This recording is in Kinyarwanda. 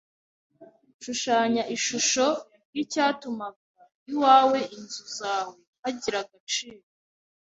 Shushanya ishusho ry icyatumaga iwawe inzu zawe hagira agaciro